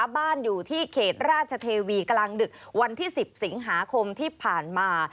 บ้านอยู่ที่เขตราชเทวีกลางดึกวันที่๑๐สิงหาคมที่ผ่านมา